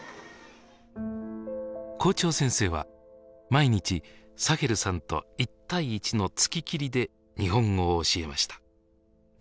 校長先生は毎日サヘルさんと一対一の付ききりで日本語を教えました。